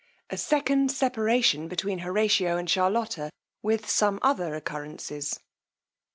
A second separation between Horatio and Charlotta, with some other occurrences.